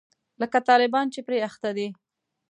لکه طالبان چې پرې اخته دي.